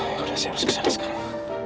ya udah saya harus ke sana sekarang